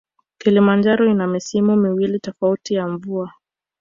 Kilimanjaro ina misimu miwili tofauti ya mvua